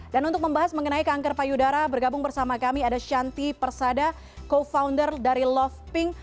dan untuk membahas mengenai kanker payudara bergabung bersama kami ada shanti persada co founder dari love pink